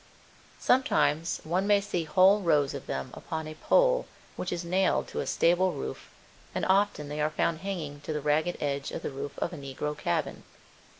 Sometimes one may see whole rows of them upon a pole which is nailed to a stable roof and often they are found hanging to the ragged edge of the roof of a negro cabin.